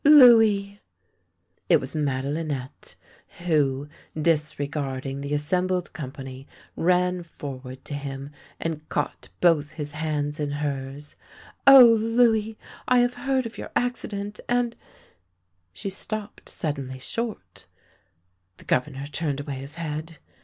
"Louis!" It was Madelinette, who, disregarding the assembled company, ran forward to him and caught both his hands in hers. " O, Louis, I have heard of your accident, and " she stopped suddenly short. The Governor turned away his head.